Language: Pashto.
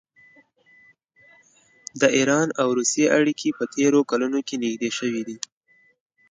د ایران او روسیې اړیکې په تېرو کلونو کې نږدې شوي دي.